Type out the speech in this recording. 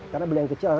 karena beli yang kecil